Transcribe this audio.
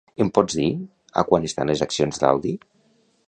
Em pots dir a quant estan les accions d'Aldi?